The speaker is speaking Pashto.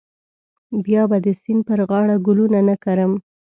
بیا به د سیند پر غاړه ګلونه نه کرم.